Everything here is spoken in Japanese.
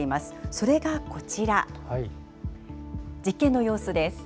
それがこちら、実験の様子です。